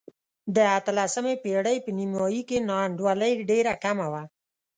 د اتلسمې پېړۍ په نیمايي کې نا انډولي ډېره کمه وه.